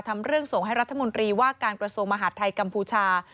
ทำเรื่องส่งให้รัฐมนตรีว่าการกระทรวงมหาดไทยกัมพูชา